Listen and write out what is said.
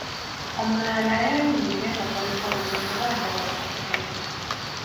Omulala naye ayingire mbakoleko lumu kuba njagala kugenda.